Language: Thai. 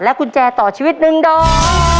กุญแจต่อชีวิต๑ดอก